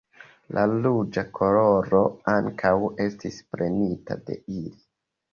La ruĝa koloro ankaŭ estis prenita de ili.